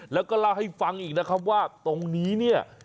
แล้วก็เล่าให้ฟังอีกนะครับว่าตรงนี้เนี่ย